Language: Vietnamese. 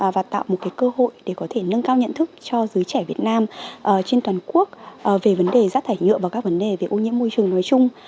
và tạo một cơ hội để có thể nâng cao nhận thức cho giới trẻ việt nam trên toàn quốc về vấn đề rác thải nhựa và các vấn đề về ô nhiễm môi trường nói chung